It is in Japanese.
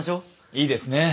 いいですね。